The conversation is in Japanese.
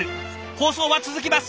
放送は続きます。